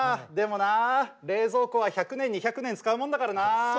でもな冷蔵庫は１００年２００年使うもんだからなあ。